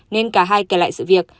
nên cả hai kể lại sự việc